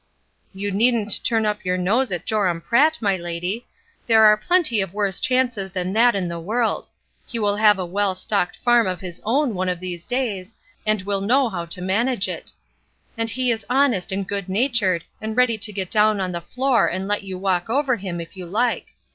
"You needn't turn up your nose at Joram Pratt, my lady; there are plenty of worse chances than that in the world. He will have a well stocked farm of his own one of these days, and will know how to manage it; and he is honest and good natured, and ready to get down on the floor and let you walk over him, if you Uke.